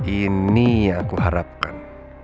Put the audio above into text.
ini yang aku harapkan